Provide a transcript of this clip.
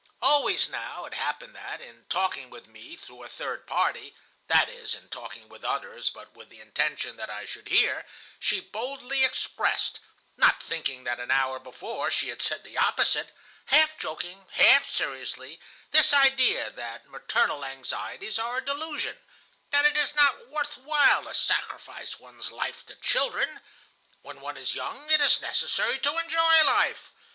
"Always, now, it happened that, in talking with me through a third party (that is, in talking with others, but with the intention that I should hear), she boldly expressed,—not thinking that an hour before she had said the opposite,—half joking, half seriously, this idea that maternal anxieties are a delusion; that it is not worth while to sacrifice one's life to children. When one is young, it is necessary to enjoy life.